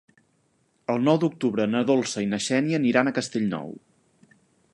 El nou d'octubre na Dolça i na Xènia aniran a Castellnou.